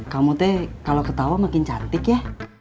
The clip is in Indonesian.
kamu tuh kalau ketawa makin cantik ya